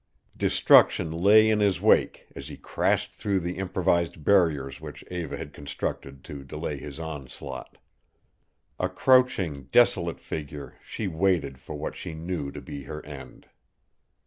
Destruction lay in his wake as he crashed through the improvised barriers which Eva had constructed to delay his onslaught. A crouching, desolate figure, she waited for what she knew to be her end.